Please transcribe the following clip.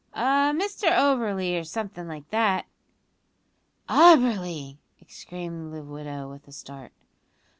"A Mr Oberly, or somethin' like that." "Auberly!" exclaimed the widow, with a start.